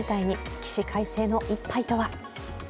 起死回生の一杯とは？